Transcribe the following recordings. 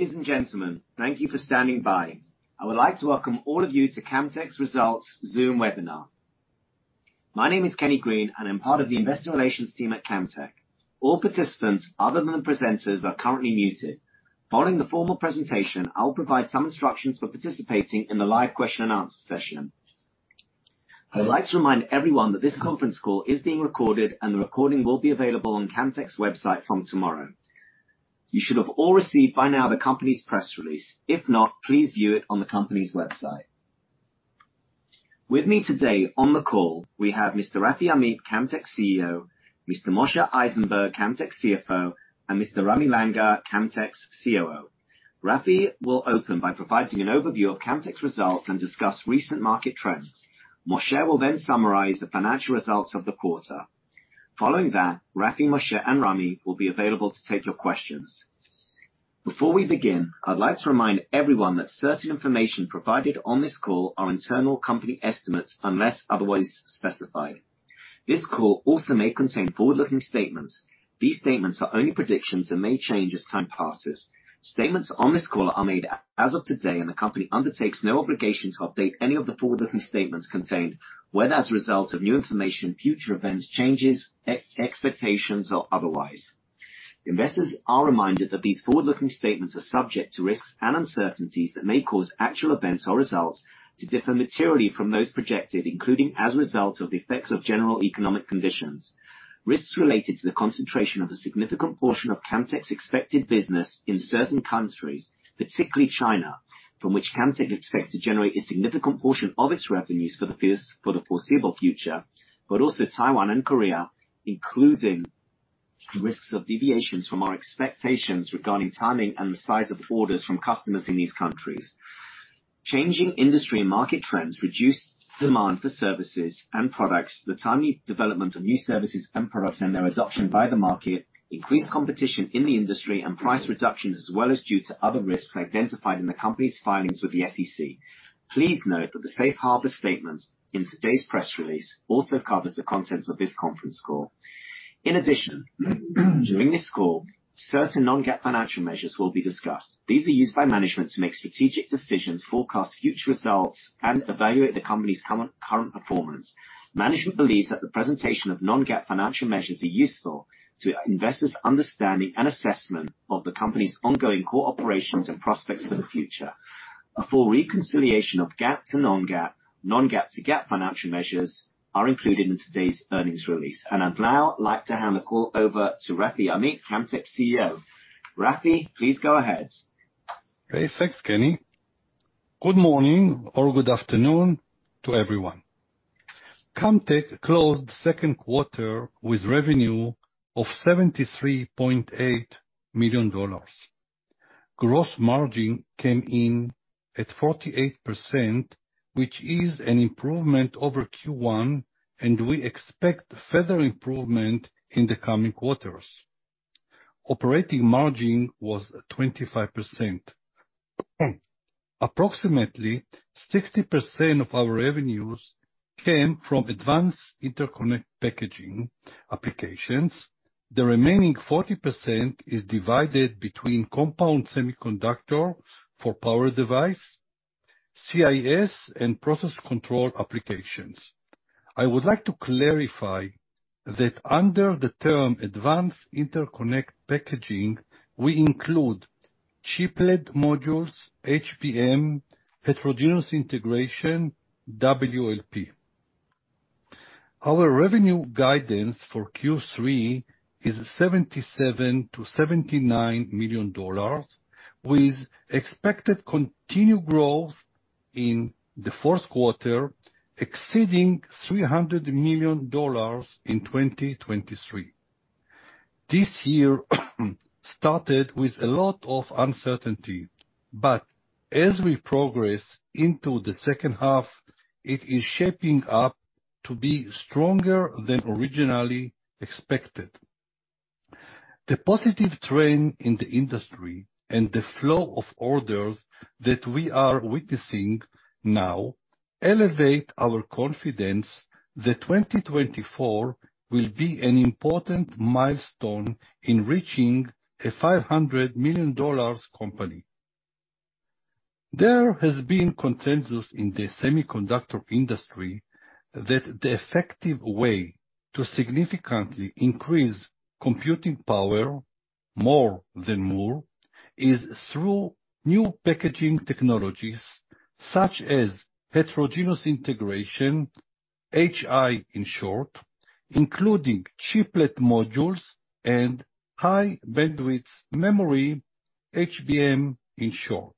Ladies and gentlemen, thank you for standing by. I would like to welcome all of you to Camtek's Results Zoom webinar. My name is Kenny Green, and I'm part of the investor relations team at Camtek. All participants other than the presenters are currently muted. Following the formal presentation, I'll provide some instructions for participating in the live question and answer session. I'd like to remind everyone that this conference call is being recorded, and the recording will be available on Camtek's website from tomorrow. You should have all received by now the company's press release. If not, please view it on the company's website. With me today on the call, we have Mr. Rafi Amit, Camtek's CEO, Mr. Moshe Eisenberg, Camtek's CFO, and Mr. Ramy Langer, Camtek's COO. Rafi will open by providing an overview of Camtek's results and discuss recent market trends. Moshe will then summarize the financial results of the quarter. Following that, Rafi, Moshe, and Ramy will be available to take your questions. Before we begin, I'd like to remind everyone that certain information provided on this call are internal company estimates, unless otherwise specified. This call also may contain forward-looking statements. These statements are only predictions and may change as time passes. Statements on this call are made as of today, and the company undertakes no obligation to update any of the forward-looking statements contained, whether as a result of new information, future events, changes, expectations, or otherwise. Investors are reminded that these forward-looking statements are subject to risks and uncertainties that may cause actual events or results to differ materially from those projected, including as a result of the effects of general economic conditions. Risks related to the concentration of a significant portion of Camtek's expected business in certain countries, particularly China, from which Camtek expects to generate a significant portion of its revenues for the foreseeable future, but also Taiwan and Korea, including risks of deviations from our expectations regarding timing and the size of orders from customers in these countries. Changing industry and market trends, reduced demand for services and products, the timely development of new services and products, and their adoption by the market, increased competition in the industry, and price reductions, as well as due to other risks identified in the company's filings with the SEC. Please note that the safe harbor statement in today's press release also covers the contents of this conference call. In addition, during this call, certain non-GAAP financial measures will be discussed. These are used by management to make strategic decisions, forecast future results, and evaluate the company's current, current performance. Management believes that the presentation of non-GAAP financial measures are useful to investors' understanding and assessment of the company's ongoing core operations and prospects for the future. A full reconciliation of GAAP to non-GAAP, non-GAAP to GAAP financial measures are included in today's earnings release, and I'd now like to hand the call over to Rafi Amit, Camtek's CEO. Rafi, please go ahead. Okay, thanks, Kenny. Good morning or good afternoon to everyone. Camtek closed second quarter with revenue of $73.8 million. Gross margin came in at 48%, which is an improvement over Q1, and we expect further improvement in the coming quarters. Operating margin was 25%. Approximately 60% of our revenues came from advanced interconnect packaging applications. The remaining 40% is divided between compound semiconductor for power device, CIS, and process control applications. I would like to clarify that under the term advanced interconnect packaging, we include chiplet modules, HBM, heterogeneous integration, WLP. Our revenue guidance for Q3 is $77 million-$79 million, with expected continued growth in the fourth quarter, exceeding $300 million in 2023. This year, started with a lot of uncertainty, but as we progress into the second half, it is shaping up to be stronger than originally expected. The positive trend in the industry and the flow of orders that we are witnessing now elevate our confidence that 2024 will be an important milestone in reaching a $500 million company. There has been consensus in the semiconductor industry that the effective way to significantly increase computing power More than Moore, is through new packaging technologies such as heterogeneous integration, HI, in short, including chiplet modules and high bandwidth memory, HBM in short.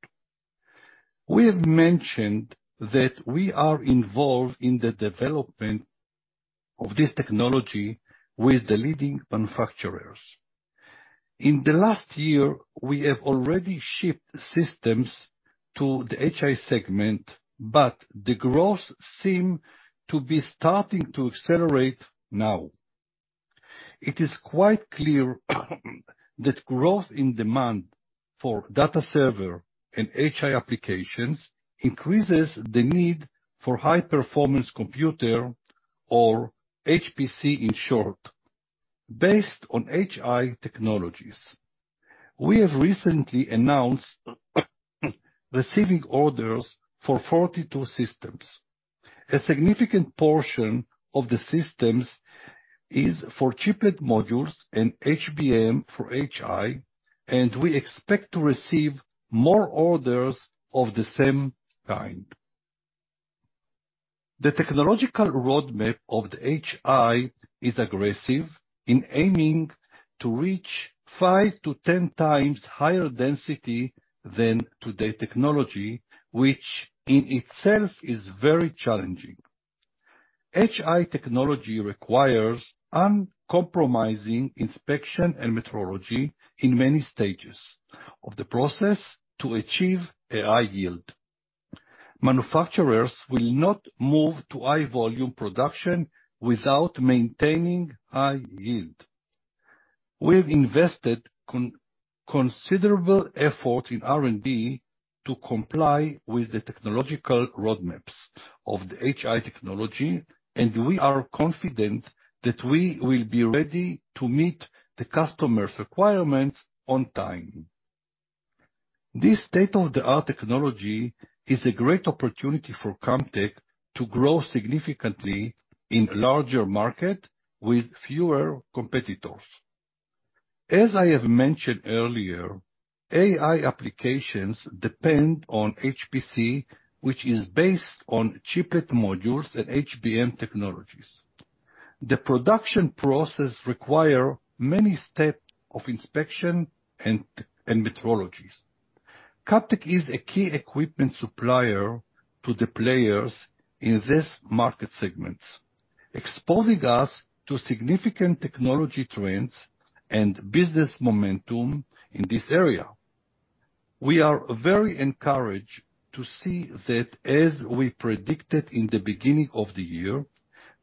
We have mentioned that we are involved in the development of this technology with the leading manufacturers. In the last year, we have already shipped systems to the HI segment, but the growth seem to be starting to accelerate now. It is quite clear, that growth in demand for data server and HI applications increases the need for high performance computer or HPC, in short based on HI technologies. We have recently announced receiving orders for 42 systems. A significant portion of the systems is for chiplet modules and HBM for HI, and we expect to receive more orders of the same kind. The technological roadmap of the HI is aggressive in aiming to reach five to 10 times higher density than today technology, which in itself is very challenging. HI technology requires uncompromising inspection and metrology in many stages of the process to achieve a high yield. Manufacturers will not move to high volume production without maintaining high yield. We've invested considerable effort in R&D to comply with the technological roadmaps of the HI technology, and we are confident that we will be ready to meet the customer's requirements on time. This state-of-the-art technology is a great opportunity for Camtek to grow significantly in larger market with fewer competitors. As I have mentioned earlier, AI applications depend on HPC, which is based on chiplet modules and HBM technologies. The production process require many steps of inspection and metrologies. Camtek is a key equipment supplier to the players in this market segments, exposing us to significant technology trends and business momentum in this area. We are very encouraged to see that as we predicted in the beginning of the year,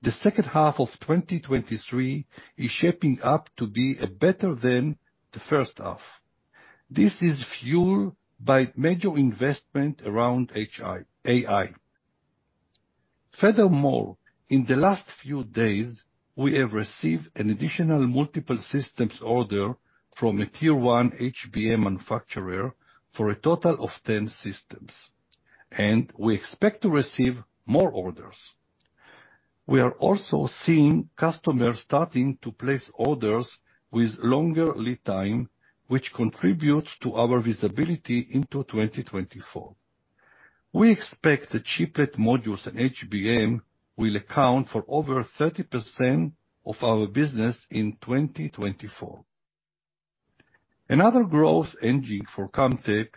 the second half of 2023 is shaping up to be a better than the first half. This is fueled by major investment around HI- AI. Furthermore, in the last few days, we have received an additional multiple systems order from a tier one HBM manufacturer for a total of 10 systems. We expect to receive more orders. We are also seeing customers starting to place orders with longer lead time, which contributes to our visibility into 2024. We expect the chiplet modules and HBM will account for over 30% of our business in 2024. Another growth engine for Camtek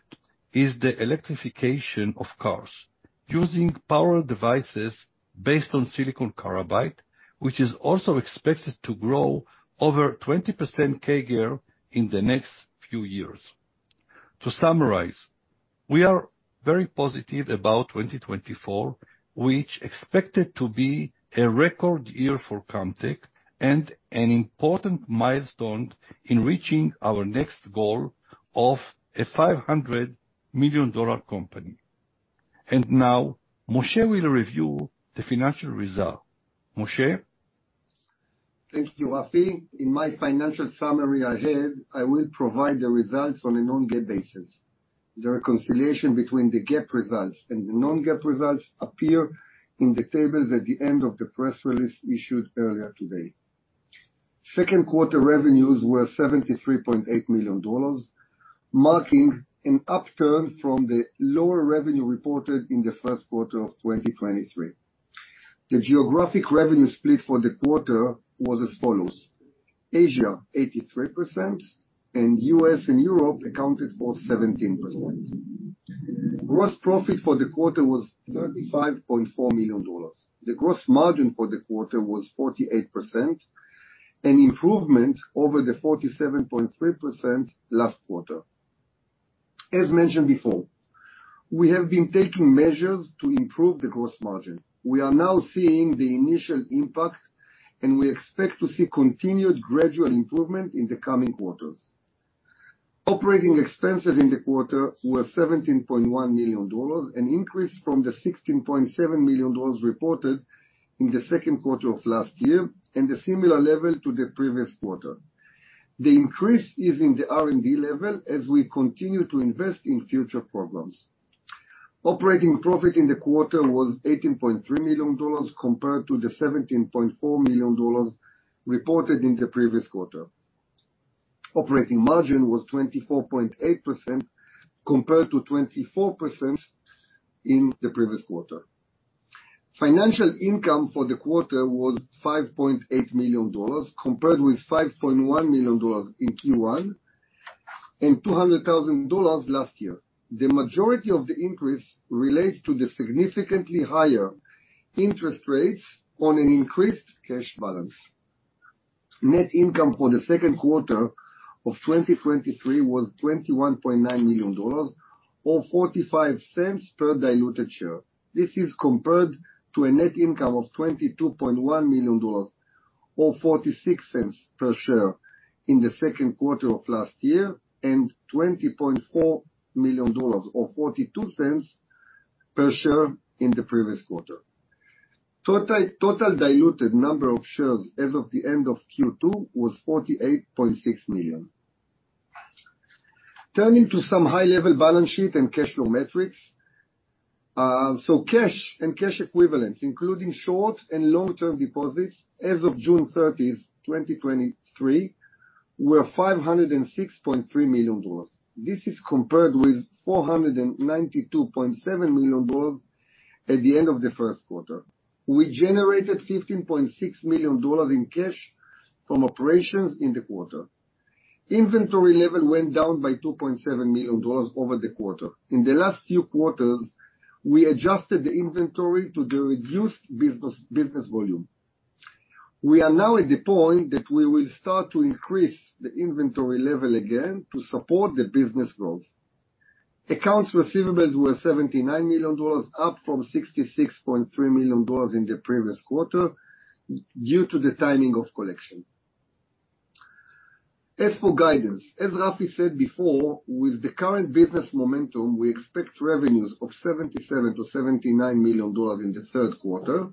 is the electrification of cars, using power devices based on silicon carbide, which is also expected to grow over 20% CAGR in the next few years. To summarize, we are very positive about 2024, which expected to be a record year for Camtek and an important milestone in reaching our next goal of a $500 million company. Now, Moshe will review the financial result. Moshe? Thank you, Rafi. In my financial summary ahead, I will provide the results on a non-GAAP basis. The reconciliation between the GAAP results and the non-GAAP results appear in the tables at the end of the press release issued earlier today. Second quarter revenues were $73.8 million, marking an upturn from the lower revenue reported in the first quarter of 2023. The geographic revenue split for the quarter was as follows: Asia, 83%, and U.S. and Europe accounted for 17%. Gross profit for the quarter was $35.4 million. The gross margin for the quarter was 48%, an improvement over the 47.3% last quarter. As mentioned before, we have been taking measures to improve the gross margin. We are now seeing the initial impact, and we expect to see continued gradual improvement in the coming quarters. Operating expenses in the quarter were $17.1 million, an increase from the $16.7 million reported in the second quarter of last year, and a similar level to the previous quarter. The increase is in the R&D level as we continue to invest in future programs. Operating profit in the quarter was $18.3 million, compared to the $17.4 million reported in the previous quarter. Operating margin was 24.8%, compared to 24% in the previous quarter. Financial income for the quarter was $5.8 million, compared with $5.1 million in Q1 and $200,000 last year. The majority of the increase relates to the significantly higher interest rates on an increased cash balance. Net income for the second quarter of 2023 was $21.9 million, or $0.45 per diluted share. This is compared to a net income of $22.1 million, or $0.46 per share in the second quarter of last year, and $20.4 million or $0.42 per share in the previous quarter. Total diluted number of shares as of the end of Q2 was 48.6 million. Turning to some high-level balance sheet and cash flow metrics. Cash and cash equivalents, including short and long-term deposits, as of June 30th, 2023, were $506.3 million. This is compared with $492.7 million at the end of the first quarter. We generated $15.6 million in cash from operations in the quarter. Inventory level went down by $2.7 million over the quarter. In the last few quarters, we adjusted the inventory to the reduced business, business volume. We are now at the point that we will start to increase the inventory level again to support the business growth. Accounts receivables were $79 million, up from $66.3 million in the previous quarter, due to the timing of collection. As for guidance, as Rafi said before, with the current business momentum, we expect revenues of $77 million-$79 million in the third quarter,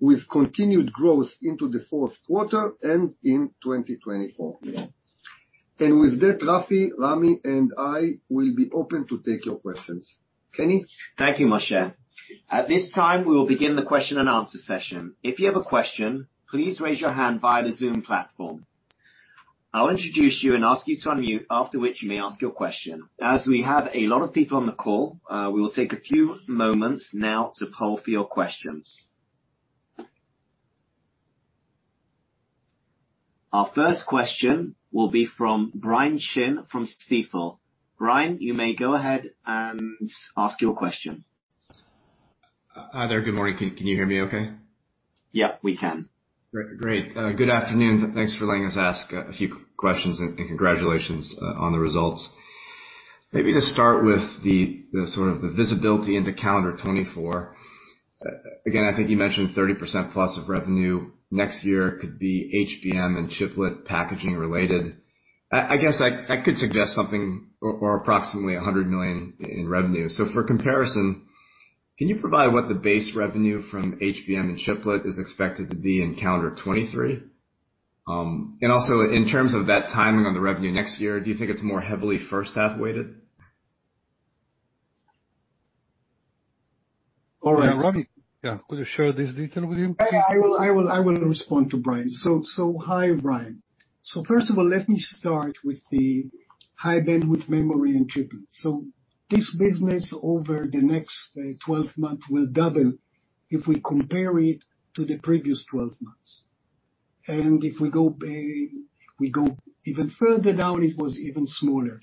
with continued growth into the fourth quarter and in 2024. With that, Rafi, Ramy, and I will be open to take your questions. Kenny? Thank you, Moshe. At this time, we will begin the question and answer session. If you have a question, please raise your hand via the Zoom platform. I'll introduce you and ask you to unmute, after which you may ask your question. As we have a lot of people on the call, we will take a few moments now to poll for your questions. Our first question will be from Brian Chin from Stifel. Brian, you may go ahead and ask your question. Hi there. Good morning. Can you hear me okay? Yeah, we can. Great. Great. good afternoon. Thanks for letting us ask a few questions, and, and congratulations on the results. Maybe to start with the, the sort of the visibility into calendar 2024. again, I think you mentioned 30%+ of revenue next year could be HBM and chiplet packaging related. I, I guess I, I could suggest something or, or approximately $100 million in revenue. For comparison, can you provide what the base revenue from HBM and chiplet is expected to be in calendar 2023? and also in terms of that timing on the revenue next year, do you think it's more heavily first half weighted? All right. Yeah, Ramy? Yeah. Could you share this detail with him, please? I will, I will, I will respond to Brian. Hi, Brian. First of all, let me start with the high-bandwidth memory and chiplet. This business over the next 12 months will double if we compare it to the previous 12 months. If we go, we go even further down, it was even smaller.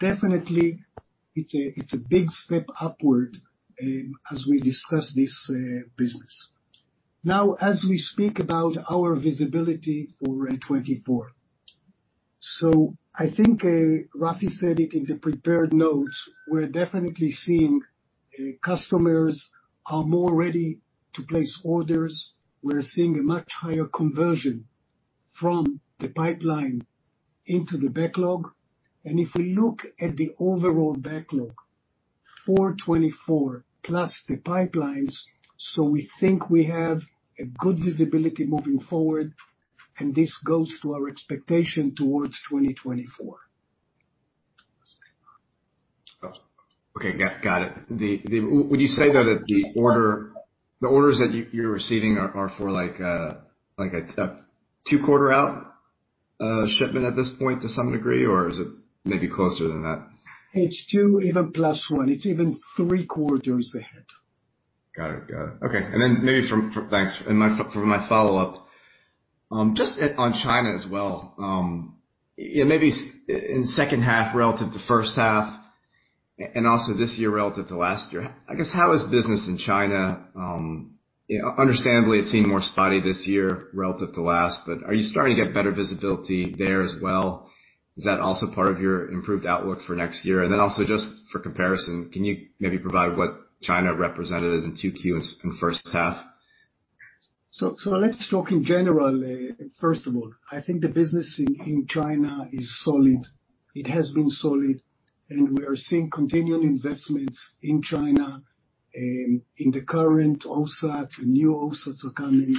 Definitely, it's a, it's a big step upward, as we discuss this business. Now, as we speak about our visibility for 2024. I think, Rafi said it in the prepared notes, we're definitely seeing customers are more ready to place orders. We're seeing a much higher conversion from the pipeline into the backlog, and if we look at the overall backlog for 2024 plus the pipelines, so we think we have a good visibility moving forward, and this goes to our expectation towards 2024. Okay, got, got it. The Would you say, though, that the orders that you're receiving are for like a two-quarter out shipment at this point to some degree, or is it maybe closer than that? It's two, even plus one. It's even three quarters ahead. Got it. Got it. Okay. Thanks. For my follow-up, just on China as well. Maybe in second half relative to first half, also this year relative to last year, I guess, how is business in China? You know, understandably, it's been more spotty this year relative to last, but are you starting to get better visibility there as well? Is that also part of your improved outlook for next year? Also just for comparison, can you maybe provide what China represented in 2Q in first half? Let's talk in general, first of all. I think the business in China is solid. It has been solid, and we are seeing continuing investments in China in the current OSATs and new OSATs are coming,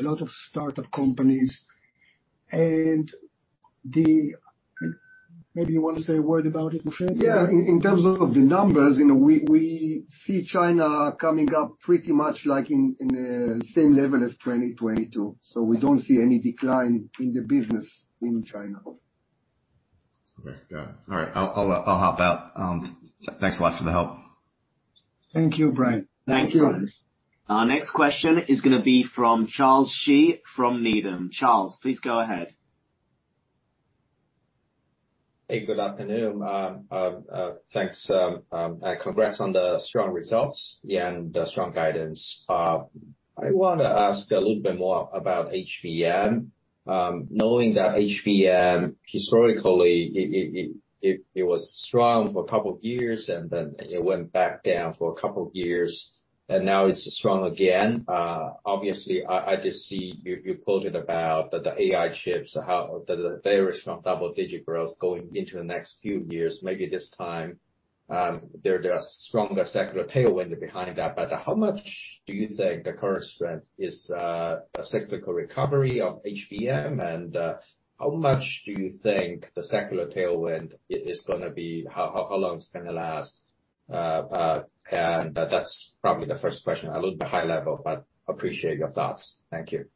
a lot of startup companies. Maybe you want to say a word about it, Moshe? Yeah. In terms of the numbers, you know, we see China coming up pretty much like in the same level as 2022, so we don't see any decline in the business in China. Okay, got it. All right. I'll, I'll, I'll hop out. Thanks a lot for the help. Thank you, Brian. Thank you. Thank you. Our next question is gonna be from Charles Shi from Needham. Charles, please go ahead. Hey, good afternoon. Thanks, and congrats on the strong results, yeah, and the strong guidance. I wanna ask a little bit more about HBM. Knowing that HBM, historically, it, it, it, it was strong for a couple years, and then it went back down for a couple years, and now it's strong again. Obviously, I just see you quoted about that the AI chips, how that they are strong double-digit growth going into the next few years. Maybe there, there are stronger secular tailwind behind that. How much do you think the current strength is a cyclical recovery of HBM? How much do you think the secular tailwind is gonna be? How, how long it's gonna last? That's probably the first question. A little bit high level, but appreciate your thoughts. Thank you.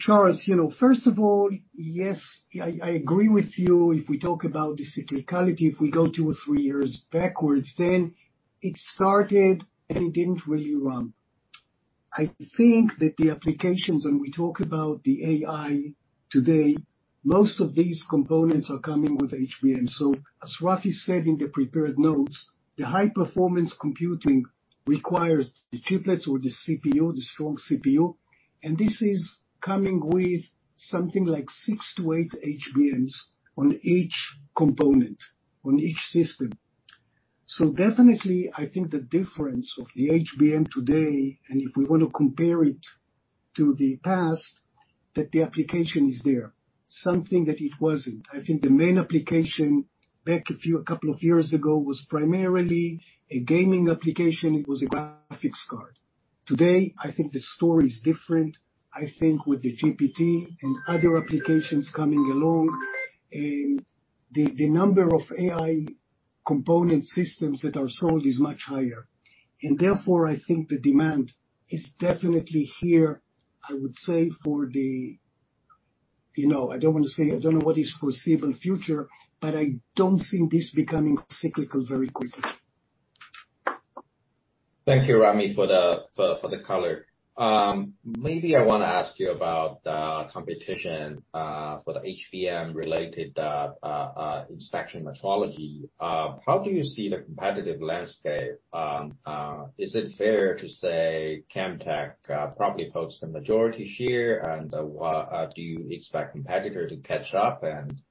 Charles, you know, first of all, yes, I, I agree with you. If we talk about the cyclicality, if we go two or three years backwards, then it started, and it didn't really run. I think that the applications, when we talk about the AI today, most of these components are coming with HBM. As Rafi said in the prepared notes, the high performance computing requires the chiplets or the CPU, the strong CPU, and this is coming with something like six to eight HBMs on each component, on each system. Definitely, I think the difference of the HBM today, and if we want to compare it to the past, that the application is there, something that it wasn't. I think the main application back a few, couple of years ago, was primarily a gaming application. It was a graphics card. Today, I think the story is different. I think with the GPT and other applications coming along, the number of AI component systems that are sold is much higher, therefore, I think the demand is definitely here, I would say, for the, you know, I don't want to say, I don't know what is foreseeable future, I don't see this becoming cyclical very quickly. Thank you, Ramy, for the color. Maybe I wanna ask you about competition for the HBM related inspection metrology. How do you see the competitive landscape? Is it fair to say Camtek probably holds the majority share? And what do you expect competitor to catch up?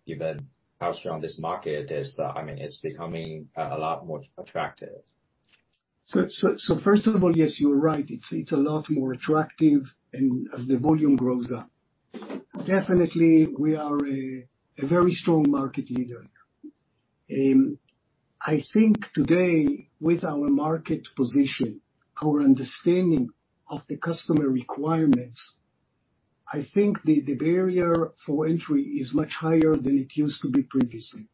Even how strong this market is, I mean, it's becoming a lot more attractive. First of all, yes, you're right. It's a lot more attractive, and as the volume grows up. Definitely, we are a very strong market leader here. I think today, with our market position, our understanding of the customer requirements, I think the barrier for entry is much higher than it used to be previously.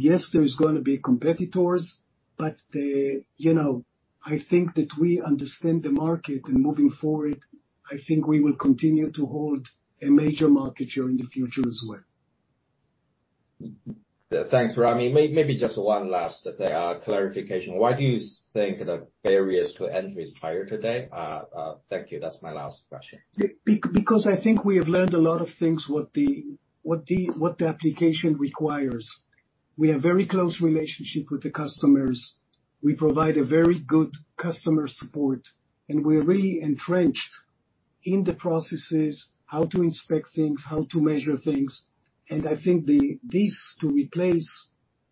Yes, there's gonna be competitors, but, you know, I think that we understand the market, and moving forward, I think we will continue to hold a major market share in the future as well. Thanks, Ramy. Maybe just one last clarification. Why do you think the barriers to entry is higher today? Thank you. That's my last question. Because I think we have learned a lot of things, what the application requires. We have very close relationship with the customers. We provide a very good customer support, and we're really entrenched in the processes, how to inspect things, how to measure things. I think this to replace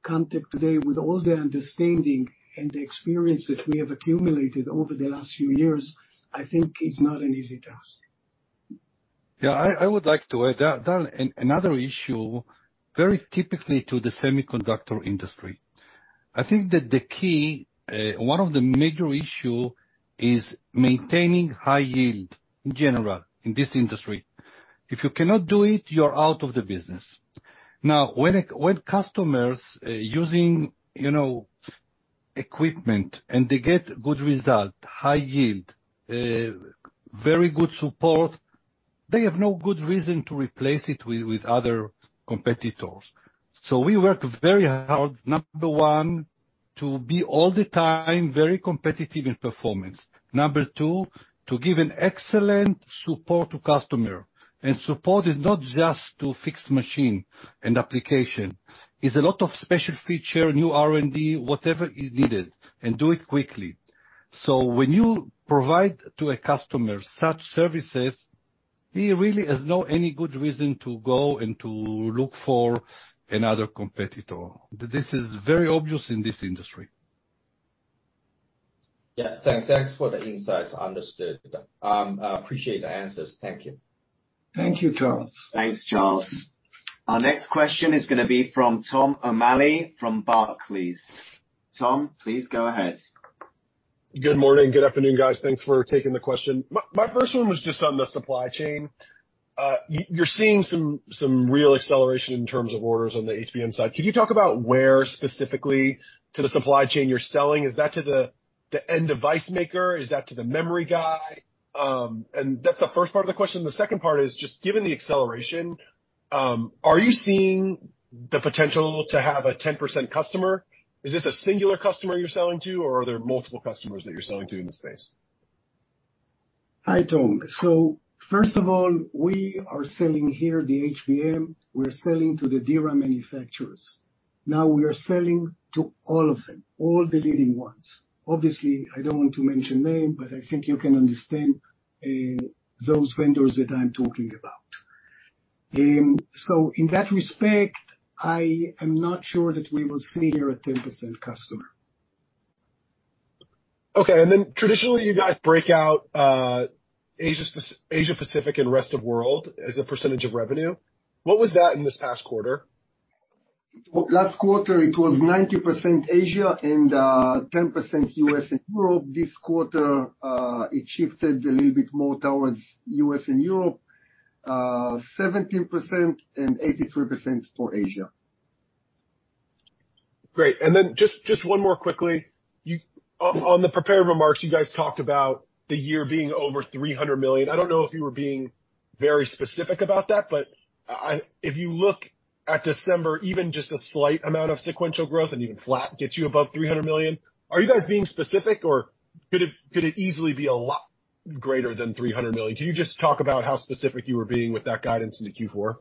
contact today, with all the understanding and the experience that we have accumulated over the last few years, I think is not an easy task. I, I would like to add that another issue, very typically to the semiconductor industry, I think that the key, one of the major issue is maintaining high yield in general in this industry. If you cannot do it, you're out of the business. When customers, using, you know, equipment and they get good result, high yield, very good support, they have no good reason to replace it with, with other competitors. We work very hard, number one, to be all the time very competitive in performance. Number two, to give an excellent support to customer. Support is not just to fix machine and application, it's a lot of special feature, new R&D, whatever is needed, and do it quickly. When you provide to a customer such services, he really has no any good reason to go and to look for another competitor. This is very obvious in this industry. Yeah. Thank, thanks for the insights. Understood. I appreciate the answers. Thank you. Thank you, Charles. Thanks, Charles. Our next question is gonna be from Tom O'Malley, from Barclays. Tom, please go ahead. Good morning. Good afternoon, guys. Thanks for taking the question. My, my first one was just on the supply chain. You, you're seeing some, some real acceleration in terms of orders on the HBM side. Could you talk about where specifically to the supply chain you're selling? Is that to the, the end device maker? Is that to the memory guy? That's the first part of the question. The second part is just, given the acceleration, are you seeing the potential to have a 10% customer? Is this a singular customer you're selling to, or are there multiple customers that you're selling to in this space? Hi, Tom. First of all, we are selling here, the HBM, we're selling to the DRAM manufacturers. We are selling to all of them, all the leading ones. I don't want to mention name, but I think you can understand those vendors that I'm talking about. In that respect, I am not sure that we will see here a 10% customer. Okay, and then traditionally, you guys break out, Asia Pacific and rest of world as a percentage of revenue. What was that in this past quarter? Last quarter, it was 90% Asia and 10% U.S. and Europe. This quarter, it shifted a little bit more towards U.S. and Europe, 17% and 83% for Asia. Great. Just one more quickly. You, on the prepared remarks, you guys talked about the year being over $300 million. I don't know if you were being very specific about that, but if you look at December, even just a slight amount of sequential growth and even flat gets you above $300 million. Are you guys being specific, or could it easily be a lot greater than $300 million? Can you just talk about how specific you were being with that guidance into Q4?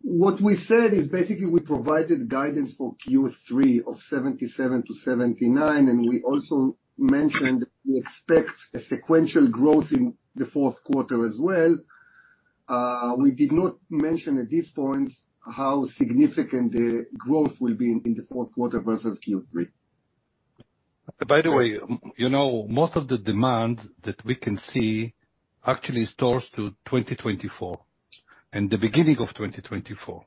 What we said is, basically, we provided guidance for Q3 of $77 million-$79 million, and we also mentioned we expect a sequential growth in Q4 as well. We did not mention at this point how significant the growth will be in, in Q4 versus Q3. By the way, you know, most of the demand that we can see actually stores to 2024, and the beginning of 2024.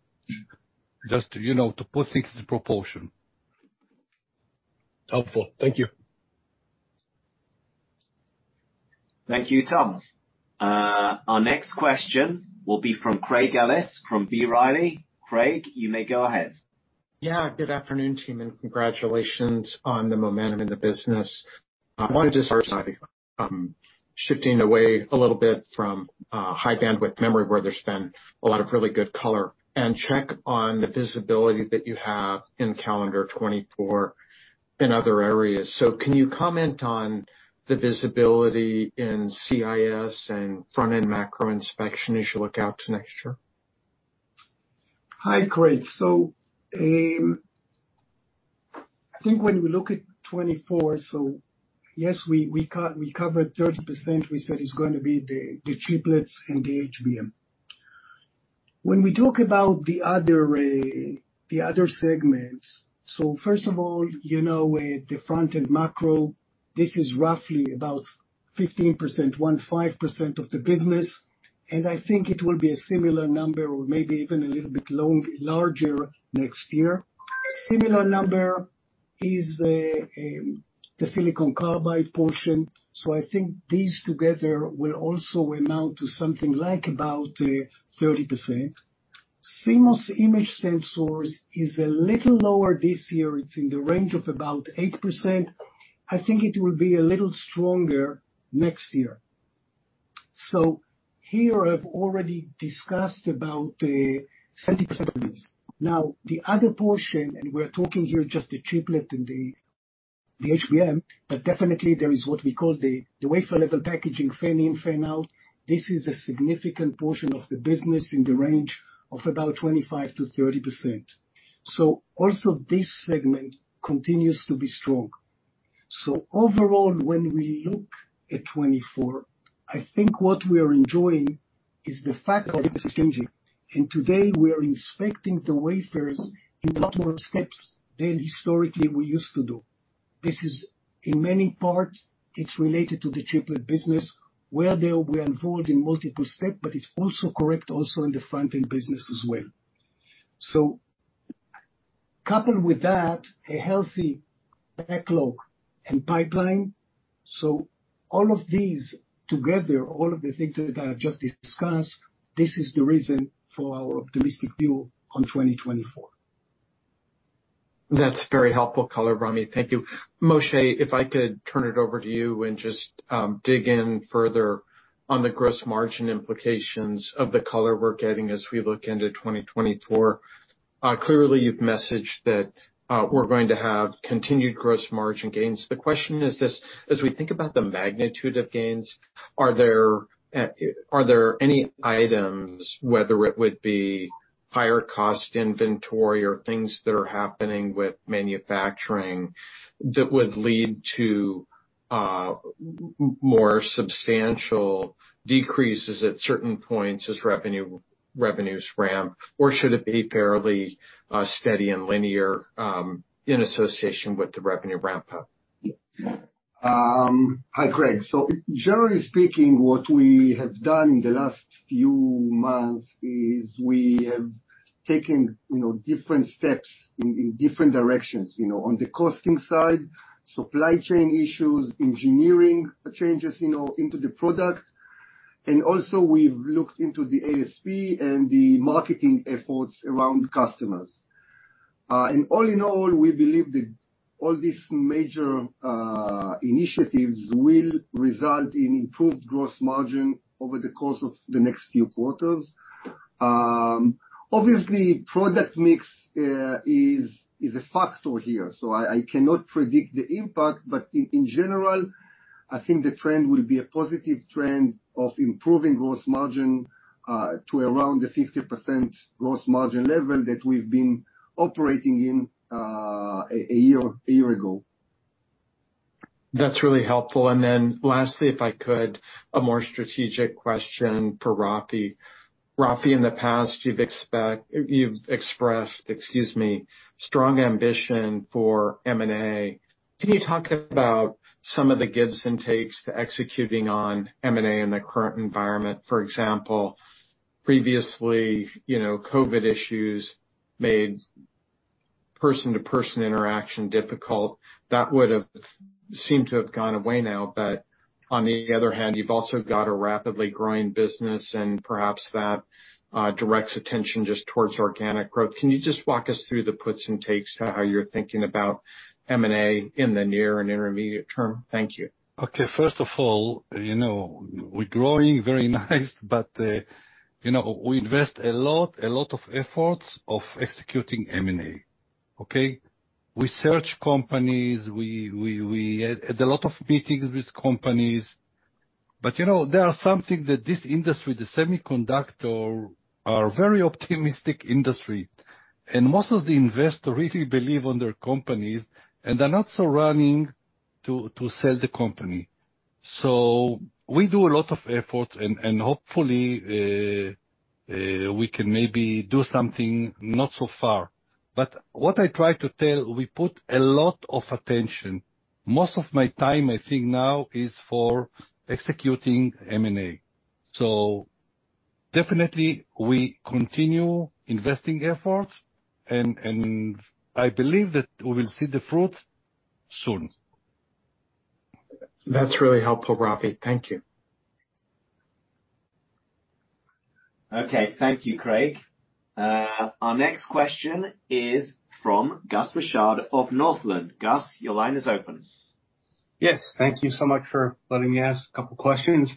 Just to, you know, to put things into proportion. Helpful. Thank you. Thank you, Tom. Our next question will be from Craig Ellis from B. Riley. Craig, you may go ahead. Yeah, good afternoon, team, and congratulations on the momentum in the business. I wanted to start by shifting away a little bit from high bandwidth memory, where there's been a lot of really good color, and check on the visibility that you have in calendar 2024 in other areas. Can you comment on the visibility in CIS and front-end macro inspection as you look out to next year? Hi, Craig. I think when we look at 2024, so yes, we, we covered 30%. We said it's going to be the, the chiplets and the HBM. When we talk about the other, the other segments, first of all, you know, with the front-end macro, this is roughly about 15%, 15% of the business, and I think it will be a similar number or maybe even a little bit long, larger next year. Similar number is the silicon carbide portion, so I think these together will also amount to something like about 30%. CMOS image sensors is a little lower this year. It's in the range of about 8%. I think it will be a little stronger next year. Here, I've already discussed about the 70%. The other portion, and we're talking here just the chiplet and the, the HBM, definitely there is what we call the, the wafer-level packaging, fan-in, fan-out. This is a significant portion of the business in the range of about 25%-30%. Also, this segment continues to be strong. Overall, when we look at 2024, I think what we are enjoying is the fact that it's changing, and today we are inspecting the wafers in a lot more steps than historically we used to do. This is, in many parts, it's related to the chiplet business, where they will unfold in multiple step, but it's also correct also in the front-end business as well. Coupled with that, a healthy backlog and pipeline. All of these together, all of the things that I have just discussed, this is the reason for our optimistic view on 2024. That's very helpful color, Ramy. Thank you. Moshe, if I could turn it over to you and just dig in further on the gross margin implications of the color we're getting as we look into 2024. Clearly, you've messaged that we're going to have continued gross margin gains. The question is this: as we think about the magnitude of gains, are there any items, whether it would be higher cost inventory or things that are happening with manufacturing, that would lead to more substantial decreases at certain points as revenues ramp, or should it be fairly steady and linear in association with the revenue ramp up? Hi, Craig. Generally speaking, what we have done in the last few months is we have taken, you know, different steps in, in different directions, you know, on the costing side, supply chain issues, engineering changes, you know, into the product. Also, we've looked into the ASP and the marketing efforts around customers. All in all, we believe that all these major initiatives will result in improved gross margin over the course of the next few quarters. Obviously, product mix is a factor here, so I cannot predict the impact, but in general, I think the trend will be a positive trend of improving gross margin to around the 50% gross margin level that we've been operating in a year, a year ago. That's really helpful. Then lastly, if I could, a more strategic question for Rafi. Rafi, in the past, you've expressed, excuse me, strong ambition for M&A. Can you talk about some of the gives and takes to executing on M&A in the current environment? For example, previously, you know, COVID issues made person-to-person interaction difficult. That would have seemed to have gone away now, but on the other hand, you've also got a rapidly growing business, and perhaps that directs attention just towards organic growth. Can you just walk us through the puts and takes to how you're thinking about M&A in the near and intermediate term? Thank you. Okay. First of all, you know, we're growing very nice, but, you know, we invest a lot, a lot of efforts of executing M&A. Okay? We search companies, we, we, we had a lot of meetings with companies, but, you know, there are some things that this industry, the semiconductor, are very optimistic industry, and most of the investors really believe on their companies, and they're not so running to, to sell the company. We do a lot of effort, and, and hopefully, we can maybe do something not so far. What I try to tell, we put a lot of attention. Most of my time, I think now, is for executing M&A. Definitely, we continue investing efforts, and, and I believe that we will see the fruits soon. That's really helpful, Rafi. Thank you. Okay. Thank you, Craig. Our next question is from Gus Richard of Northland. Gus, your line is open. Yes. Thank you so much for letting me ask a couple questions.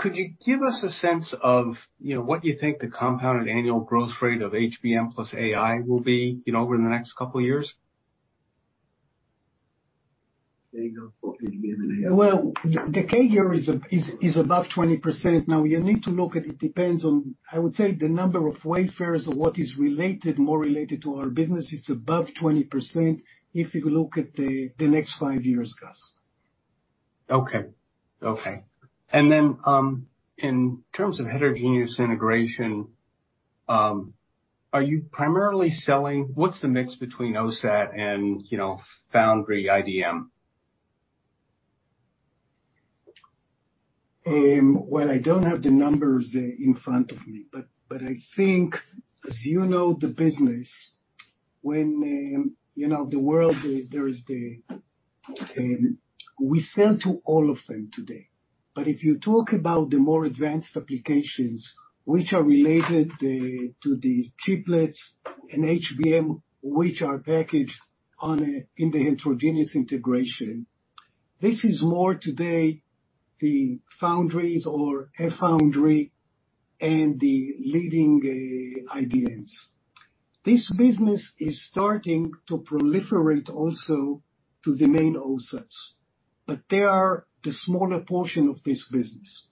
Could you give us a sense of, you know, what you think the compounded annual growth rate of HBM plus AI will be, you know, over the next couple of years? Well, the CAGR is above 20%. You need to look at it depends on, I would say, the number of wafers or what is related, more related to our business. It's above 20% if you look at the next five years, Gus. Okay. Okay. Then, in terms of heterogeneous integration, are you primarily selling? What's the mix between OSAT and, you know, foundry IDM? Well, I don't have the numbers in front of me, but, but I think, as you know, the business, when, you know, the world, there is the, we sell to all of them today. If you talk about the more advanced applications which are related to the chiplets and HBM, which are packaged in the heterogeneous integration, this is more today, the foundries or a foundry and the leading IDMs. This business is starting to proliferate also to the main OSATs, but they are the smaller portion of this business.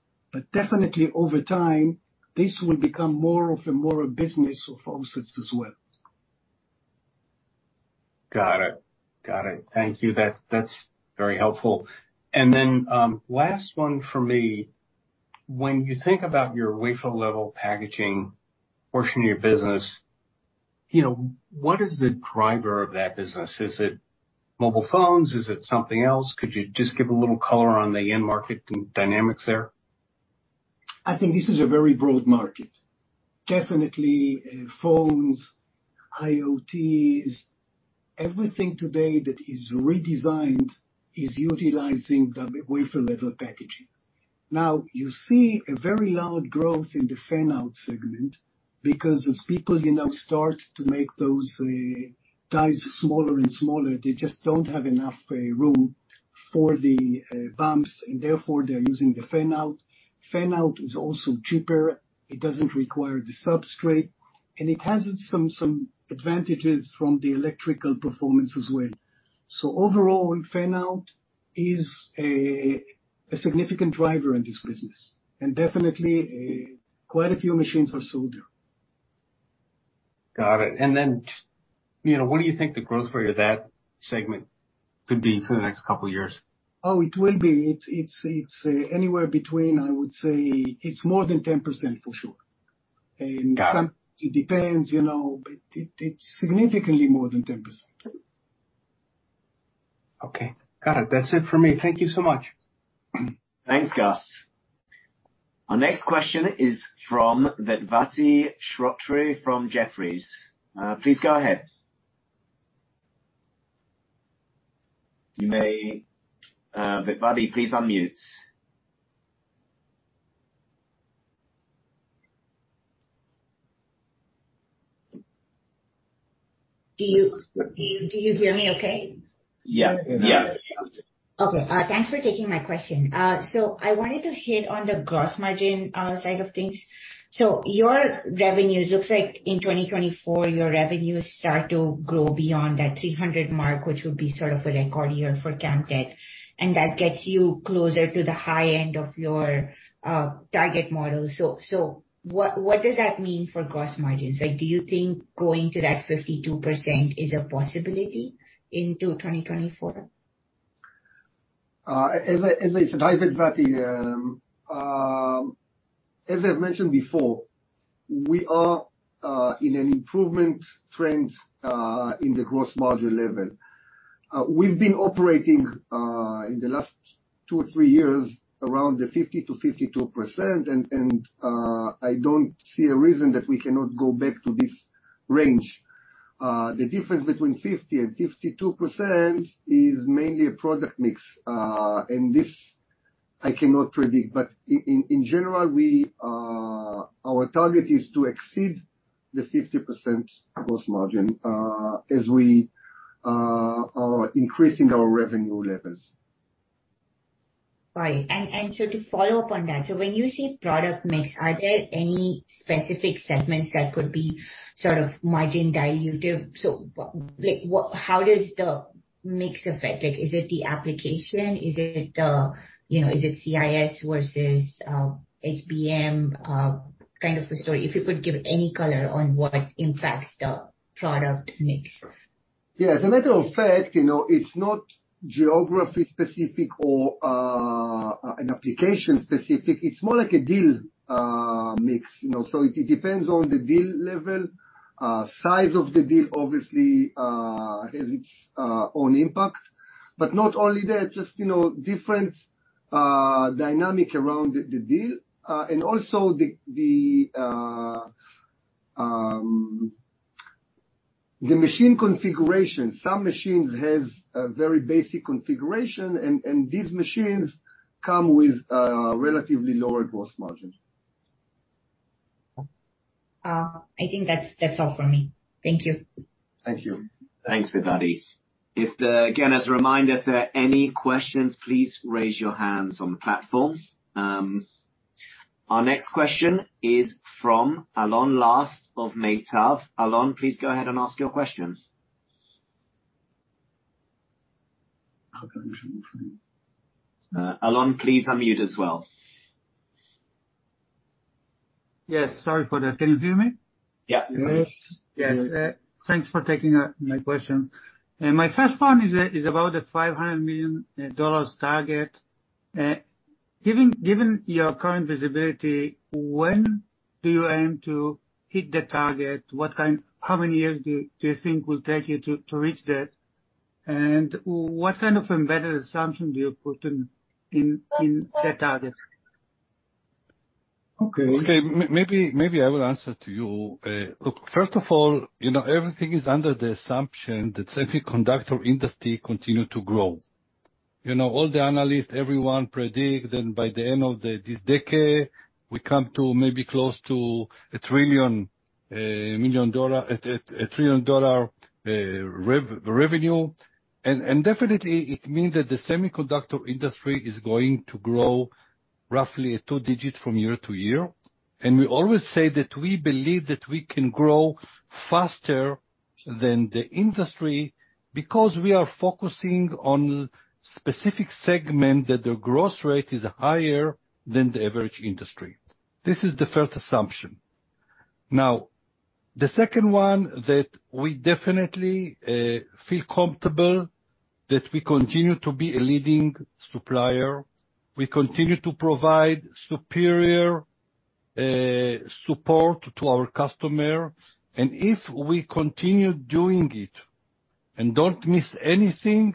Definitely, over time, this will become more of a, more a business of OSATs as well. Got it. Got it. Thank you. That's, that's very helpful. Last one for me. When you think about your wafer-level packaging portion of your business, you know, what is the driver of that business? Is it mobile phones? Is it something else? Could you just give a little color on the end market dynamics there? I think this is a very broad market. Definitely, phones, IoT, everything today that is redesigned is utilizing the wafer-level packaging. Now, you see a very loud growth in the fan-out segment because as people, you know, start to make those dies smaller and smaller, they just don't have enough room for the bumps, and therefore, they're using the fan-out. Fan-out is also cheaper, it doesn't require the substrate, and it has some, some advantages from the electrical performance as well. Overall, fan-out is a significant driver in this business, and definitely, quite a few machines are sold here. Got it. Then, just, you know, what do you think the growth rate of that segment could be for the next couple of years? Oh, it will be. It's anywhere between, I would say, it's more than 10%, for sure. Got it. It depends, you know, but it, it's significantly more than 10%. Okay, got it. That's it for me. Thank you so much. Thanks, Gus. Our next question is from Vedvati Shrotre from Jefferies. Please go ahead. You may. Vedvati, please unmute. Do you hear me okay? Yeah. Yeah. Okay. Thanks for taking my question. I wanted to hit on the gross margin, side of things. Your revenues, looks like in 2024, your revenues start to grow beyond that $300 mark, which would be sort of a record year for Camtek. That gets you closer to the high end of your target model. So what, what does that mean for gross margins? Like, do you think going to that 52% is a possibility into 2024? As I, as I said, Vedvati, as I've mentioned before, we are in an improvement trend in the gross margin level. We've been operating in the last two or three years around the 50%-52%, I don't see a reason that we cannot go back to this range. The difference between 50% and 52% is mainly a product mix, and this I cannot predict, but in general, we, our target is to exceed the 50% gross margin, as we are increasing our revenue levels. Right. To follow up on that, so when you say product mix, are there any specific segments that could be sort of margin dilutive? So like, what, how does the mix affect? Like, is it the application? Is it the, you know, is it CIS versus, HBM, kind of a story? If you could give any color on what impacts the product mix. As a matter of fact, you know, it's not geography specific or an application specific. It's more like a deal mix, you know, so it, it depends on the deal level. Size of the deal obviously has its own impact. Not only that, just, you know, different dynamic around the deal and also the machine configuration. Some machines have a very basic configuration, and these machines come with relatively lower gross margin. I think that's all for me. Thank you. Thank you. Thanks, Vedvati. Again, as a reminder, if there are any questions, please raise your hands on the platform. Our next question is from Alon Last of Meitav. Alon, please go ahead and ask your questions. Alon, please unmute as well. Yes, sorry for that. Can you hear me? Yeah. Yes. Yes. Thanks for taking my questions. My first one is about the $500 million target. Given your current visibility, when do you aim to hit the target? How many years do you think will take you to reach that? What kind of embedded assumption do you put in the target? Okay. Okay, maybe, maybe I will answer to you. Look, first of all, you know, everything is under the assumption that semiconductor industry continue to grow. You know, all the analysts, everyone predict that by the end of this decade, we come to maybe close to $1 trillion revenue. Definitely, it means that the semiconductor industry is going to grow roughly a two-digit from year to year. We always say that we believe that we can grow faster than the industry, because we are focusing on specific segment, that the growth rate is higher than the average industry. This is the first assumption. Now, the second one, that we definitely feel comfortable that we continue to be a leading supplier, we continue to provide superior support to our customer. If we continue doing it and don't miss anything,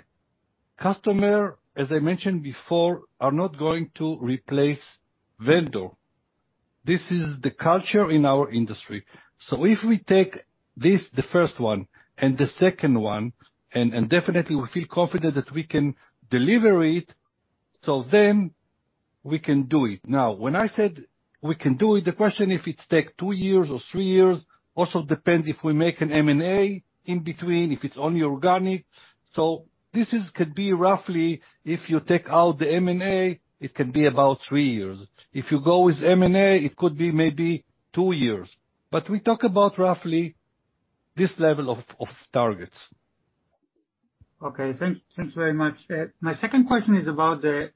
customer, as I mentioned before, are not going to replace vendor. This is the culture in our industry. If we take this, the first one and the second one, and definitely we feel confident that we can deliver it, then we can do it. Now, when I said we can do it, the question if it take two years or three years, also depends if we make an M&A in between, if it's only organic. This is, could be roughly if you take out the M&A, it can be about three years. If you go with M&A, it could be maybe two years. We talk about roughly this level of targets. Okay. Thanks very much. My second question is about the,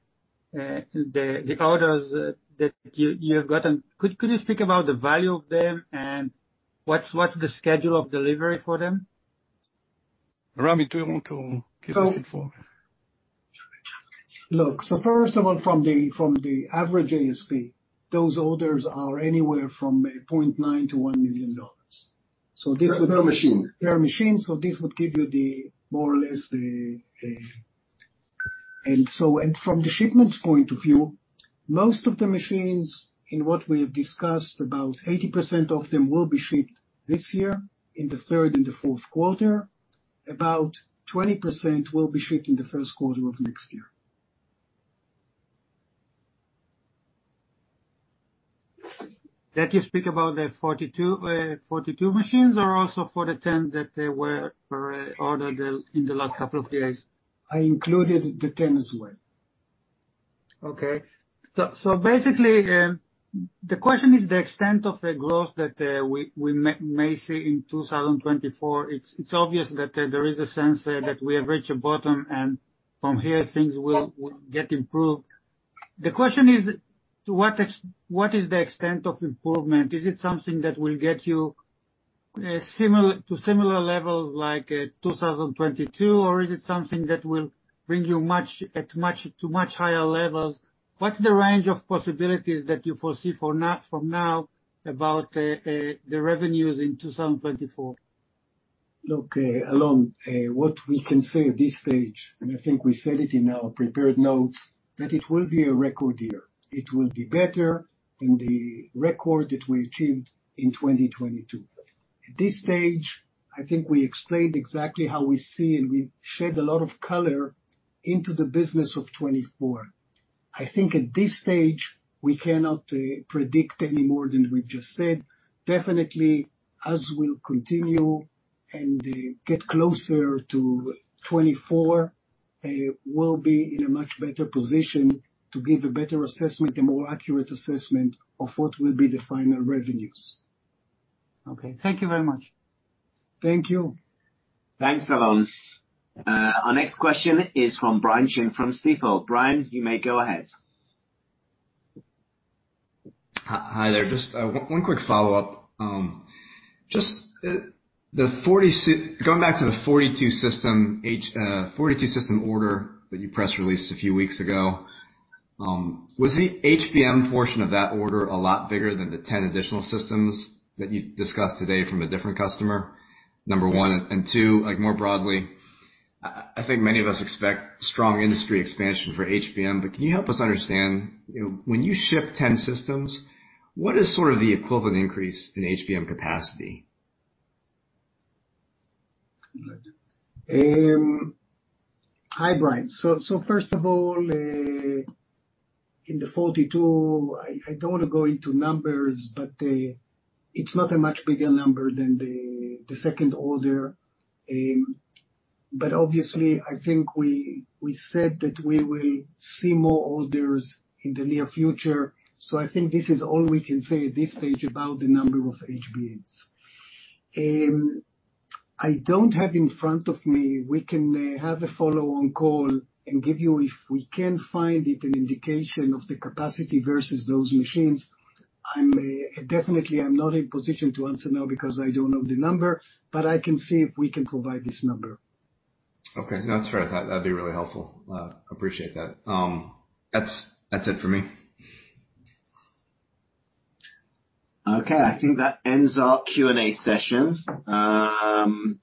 the orders that you have gotten. Could you speak about the value of them and what's the schedule of delivery for them? Ramy, do you want to give us information? Look, first of all, from the average ASP, those orders are anywhere from $0.9 million-$1 million. This would. Per machine. Per machine, this would give you the more or less the. From the shipments point of view, most of the machines, in what we have discussed, about 80% of them will be shipped this year, in the third and the fourth quarter. About 20% will be shipped in the first quarter of next year. That you speak about the 42, 42 machines, or also for the 10 that were ordered in the last couple of days? I included the 10 as well. Okay. Basically, the question is the extent of the growth that we may see in 2024. It's obvious that there is a sense that we have reached a bottom, and from here things will get improved. The question is, what is the extent of improvement? Is it something that will get you similar, to similar levels like 2022, or is it something that will bring you much, at much, to much higher levels? What's the range of possibilities that you foresee for now, from now, about the revenues in 2024? Look, Alon, what we can say at this stage, and I think we said it in our prepared notes, that it will be a record year. It will be better than the record that we achieved in 2022. At this stage, I think we explained exactly how we see, and we shed a lot of color into the business of 2024. I think at this stage, we cannot predict any more than we've just said. Definitely, as we'll continue and get closer to 2024, we'll be in a much better position to give a better assessment, a more accurate assessment, of what will be the final revenues. Okay. Thank you very much. Thank you. Thanks, Alon. Our next question is from Brian Chin from Stifel. Brian, you may go ahead. Hi, hi there. Just, one quick follow-up. Going back to the 42 system order that you press released a few weeks ago, was the HBM portion of that order a lot bigger than the 10 additional systems that you discussed today from a different customer? Number one. Two, like, more broadly, I, I think many of us expect strong industry expansion for HBM, but can you help us understand, you know, when you ship 10 systems, what is sort of the equivalent increase in HBM capacity? Hi, Brian. First of all, in the 42, I, I don't want to go into numbers, but, it's not a much bigger number than the, the second order. Obviously, I think we, we said that we will see more orders in the near future. I think this is all we can say at this stage about the number of HBMs. I don't have in front of me, we can, have a follow-on call and give you, if we can find it, an indication of the capacity versus those machines. I'm, definitely, I'm not in a position to answer now because I don't know the number, but I can see if we can provide this number. Okay. No, that's fair. That'd be really helpful. Appreciate that. That's it for me. Okay. I think that ends our Q&A session.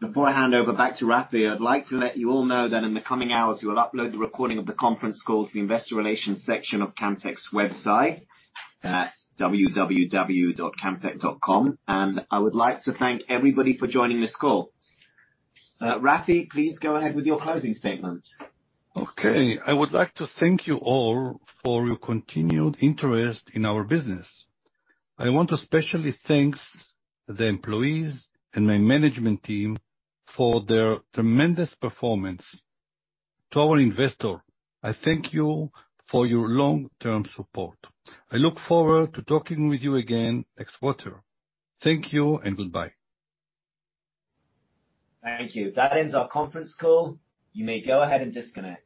Before I hand over back to Rafi, I'd like to let you all know that in the coming hours, we will upload the recording of the conference call to the investor relations section of Camtek's website at www.camtek.com. I would like to thank everybody for joining this call. Rafi, please go ahead with your closing statement. Okay. I would like to thank you all for your continued interest in our business. I want to especially thanks the employees and my management team for their tremendous performance. To our investor, I thank you for your long-term support. I look forward to talking with you again next quarter. Thank you and goodbye. Thank you. That ends our conference call. You may go ahead and disconnect.